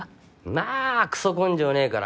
まあくそ根性ねぇから。